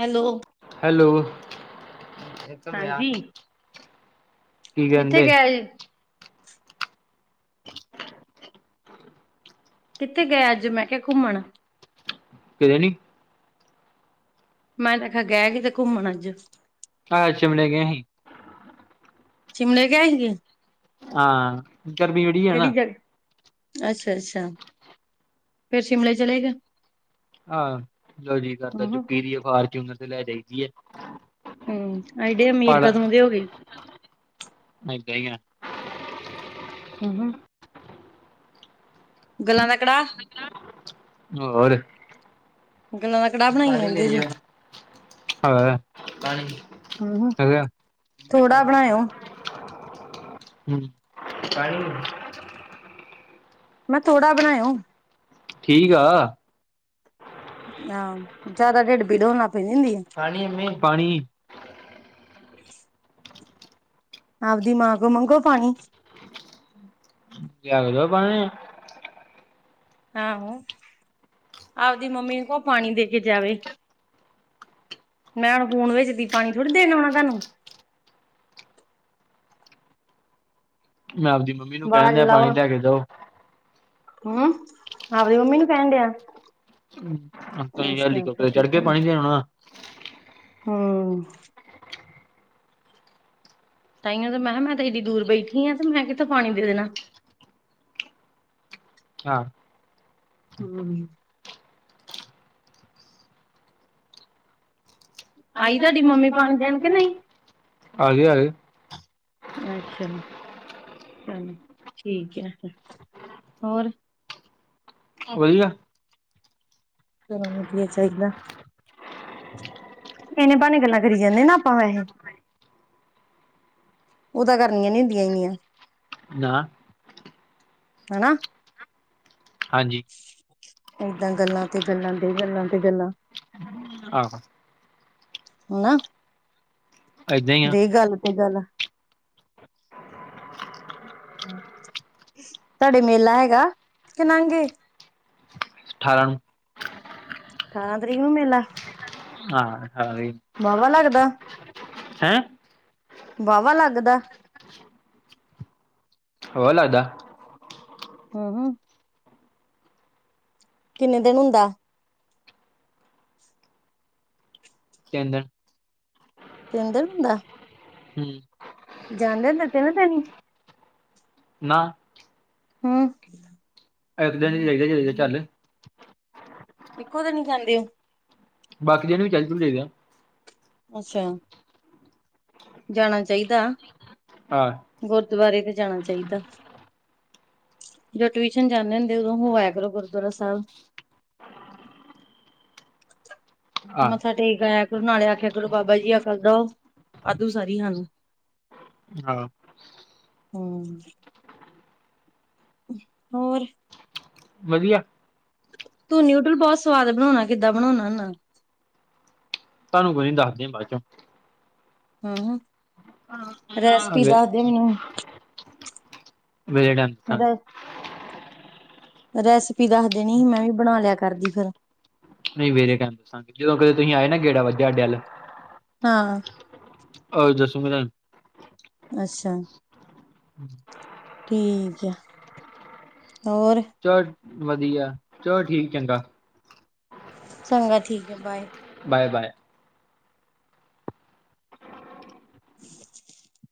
Hello. Hello [inaudible] ਹਾਂਜੀ ਕਿੱਥੇ ਕਹਿੰਦੇ ਗਿਆ ਜੀ? ਕਿੱਥੇ ਗਿਆ ਅੱਜ ਮੈਂ ਕਿਹਾ ਘੁੰਮਣ? ਕਿਤੇ ਨੀ। ਮੈਂ ਤੇ ਆਖਿਆ ਗਿਆ ਕਿਤੇ ਘੁੰਮਣ ਅੱਜ। ਅੱਜ ਸ਼ਿਮਲੇ ਗਏ ਹੀ। ਸ਼ਿਮਲੇੇ ਗਏ ਸੀਗੇ? ਹਾਂ, ਗਰਮੀ ਬੜੀ ਏ ਕਿਹੜੀ ਨਾ। ਜਗ੍ਹਾ ਅੱਛਾ ਅੱਛਾ, ਫੇਰ ਸ਼ਿਮਲੇ ਚਲੇ ਗਏ? ਹਾਂ, ਜਦੋਂ ਜੀਅ ਕਰਦਾ ਹੂੰ ਚੁੱਕੀ ਦੀ ਆ ਫਾਰਚੂਨਰ ਤੇ ਲੈ ਜਾਈ ਦੀਏ। ਹੂੰ, ਐਡੇ ਅਮੀਰ ਕਦੋਂ ਦੇ ਹੋ ਗਏ? ਐਦਾਂ ਈ ਆ। ਊ ਹੂੰ। ਗੱਲਾਂ ਦਾ ਕੜਾਹ। ਗੱਲਾਂ ਦਾ ਕੜਾਹ ਬਣਾਈ ਜਾਂਦੇ ਜੇ ਹੋਰ। ਹੂੰ ਹੋਰ। ਥੋੜਾ ਬਣਾਇਓ ਹੂੰ। ਮੈਂ ਥੋੜਾ ਬਣਾਏਓ। ਠੀਕ ਆ। ਆਂ ਜਾਦਾ ਢਿੱਡ ਪੀੜ ਹੋਣ ਲਾ ਪੈਂਦੀ ਹੀ। ਪਾਣੀ ਮੀ ਪਾਣੀ ਆਪਦੀ ਮਾਂ ਕੋ ਮੰਗੋ ਪਾਣੀ। ਲਿਆਦੋ ਨਾ ਪਾਣੀ। ਆਹਾ ਆਪਦੀ ਮੰਮੀ ਨੂੰ ਕੋ ਪਾਣੀ ਦੇ ਕੇ ਜਾਵੇ। ਮੈਂ ਹੁਣ ਫੂਨ ਵਿੱਚ ਦੀ ਪਾਣੀ ਥੋੜ੍ਹੀ ਦੇਣ ਔਣਾ ਤਾਨੂੰ। ਮੈਂ ਆਪਦੀ ਮੰਮ ਵਾਜ ਲਾਔ ਹਮ ਆਪਦੀ ਮੰਮੀ ਨੂੰ ਕੈਣ ਡਿਆ। ਅਮ ੳਤੋ ਈ ਅੱਛਾ ਹੈਲੀਕੌਪਟਰ ਫਿਰ ਤੇ ਚੜ੍ਹ ਠੀਕ ਕੇ ਆ। ਪਾਣੀ ਦੇ ਔਣਾ। ਹਮ। ਤਾਈਓ ਤੇ ਮੈਹਾ ਮੈਂ ਤੇ ਏਡੀ ਦੂਰ ਬੈਠੀ ਆਂ। ਤੇ ਮੈਂ ਕਿੱਥੋਂ ਪਾਣੀ ਦੇ ਦੇਣਾ। ਹਾ। ਹਮ। ਆਈ ਤਾਡੀ ਮੰਮੀ ਪਾਣੀ ਦੇਣ ਕੇ ਨ ਈ? ਆ ਗਏ ਆ ਗਏ ਅੱਸ਼ਾ। ਚੱਲ ਠੀਕੈ ਫਿਰ ਹੋਰ? ਵਯੀਆ। ਚਲੋਂ ਵਧੀਆ ਚਾਈਦਾ। ਇੰਨੇ ਭਾਣੇ ਗੱਲਾਂ ਕਰੀ ਜਾਣੇ ਨਾ ਆਪਾਂ ਵੈਹੇ। ਔ ਤਾਂ ਕਰਨੀਆਂ ਨੀ ਹੁੰਦੀਆਂ ਏਨੀਆਂ। ਨਾ। ਹਨਾ। ਹਾਂਜੀ। ਏਦਾਂ ਗੱਲਾਂ ਤੇ ਗੱਲਾਂ ਦੇ ਗੱਲਾਂ ਤੇ ਗੱਲਾਂ। ਆਹ। ਨਾ ਏਦਾਂ ਹੀ ਆ ਦੇ ਗੱਲ ਤੇ ਗੱਲ। ਤਾਡੇ ਮੇਲਾ ਹੈਗਾ ਕਿ ਨੰਗੇ? ਠਾਰਾਂ ਨੂੰ। ਠਾਰਾਂ ਤਰੀਕ ਨੂੰ ਮੇਲਾ? ਹਾਂ, ਠਾਰਾਂ ਈ। ਵਾਵਾ ਲੱਗਦਾ। ਹੈਂ? ਵਾਵਾ ਲੱਗਦੈ? ' [unintelligible] ' ਲੱਗਦਾ। ਹਹ ਕਿੰਨੇ ਦਿਨ ਹੁੰਦੈ? ਤਿੰਨ ਦਿਨ। ਤਿੰਨ ਦਿਨ ਹੁੰਦੈ? ਹਮ। ਜਾਂਦੇ ਨੇ ਨਿਤ ਨਤੈਨੀ? ਨਾ ਹਮ। ਐਕ ਦਿਨ ਈ ਜਾਈ ਦਾ ਜਦੇ ਦੇ ਚੱਲ ਇੱਕੋ ਦਿਨ ਈ ਜਾਂਦੇ ਔ? ਬਾਕੀ ਦਿਨ ਵੀ ਚੱਲ-ਚੁਲ ਜਾਈਦਾ। ਅੱਛਾ। ਜਾਣਾ ਚਾਹੀਦਾ। ਹਾਂ ਗੁਰਦੁਵਾਰੇ ਤੇ ਜਾਣਾ ਚਾਹੀਦਾ। ਜਦੋਂ ਟਿਊਸ਼ਨ ਜਾਂਦੇ ਹੁੰਦੇ, ਉਦੋਂ ਹੋ ਆਇਆ ਕਰੋ ਗੁਰਦੁਆਰਾ ਸਾਹਿਬ। ਆਹ ਮੱਥਾ ਟੇਕ ਆਇਆ ਕਰੋ, ਨਾਲੇ ਆਖਿਆ ਕਰੋ, ਬਾਬਾ ਜੀ ਅਕਲ ਦੋ। ਵਾਧੂ ਸਾਰੀ ਹਾਂ ਨ ਹਾਂ ਹੂੰ ਹੋਰ ਵਧੀਆ ਤੂੰ ਨਿਊਡਲ ਬਹੁਤ ਸਵਾਦ ਬਣਾਉਣਾ ਕਿੱਦਾਂ ਬਣਾਉਣਾ ਹੁਨਾ ਤੁਹਾਨੂੰ ਕੋਈ ਨੀ ਦੱਸਦੇ ਆ ਬਾਦ ਚੋਂ ਹੂੰ ਰੈਸਪੀ ਦੱਸਦੇ ਮੈਨੂੰ ਵੇਲੇ ਟਾਈਮ ਦੱਸਾਂਗੇ ਮੇਰਾ ਰੈਸਪੀ ਦੱਸ ਦੇਣੀ ਸੀ ਮੈਂ ਵੀ ਬਣਾ ਲਿਆ ਕਰਦੀ ਫਿਰ ਨਹੀਂ ਮੇਰੇ ਕਹਿਣ ਦੱਸਾਂਗੇ ਜਦੋਂ ਕਦੇ ਤੁਸੀਂ ਆਏ ਨਾ ਗੇੜਾ ਵੱਜਾ ਹਾਡੇ ਅਲ ਹਾਂ ਅ ਦੱਸੂਗਾ ਮੈਂ ਅੱਛਾ ਹਾਂ ਠੀਕ ਆ ਹੋਰ ਚਲੋ ਵਧੀਆ ਚਲੋ ਠੀਕ ਚੰਗਾ ਚੰਗਾ ਠੀਕ ਏ ਬਾਏ ਬਾਏ ਬਾਏ [inaudible]